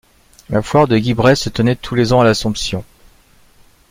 La foire de Guibray se tenait tous les ans à l'Assomption.